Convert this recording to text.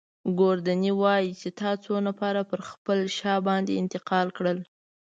ګوردیني وايي چي تا څو نفره پر خپله شا باندې انتقال کړل.